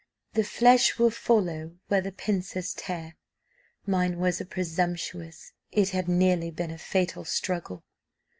'The flesh will follow where the pincers tear.' Mine was a presumptuous it had nearly been a fatal struggle.